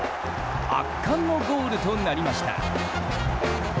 圧巻のゴールとなりました。